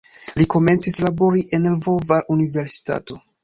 Li komencis labori en "Lvova Universitato".